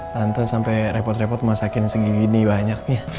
tante sampe repot repot masakin segigini banyaknya